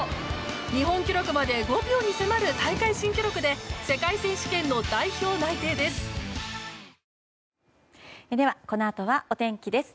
日本記録まで５秒に迫る大会新記録で世界選手権の代表内定です。